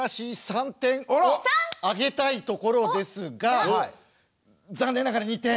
３点をあげたいところですが残念ながら２点。